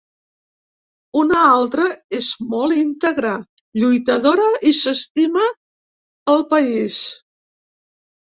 Una altra és molt íntegra, lluitadora i s’estima el país.